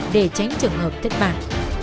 để tránh trường hợp thất bại